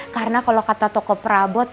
karena kalo kata tokoh perabot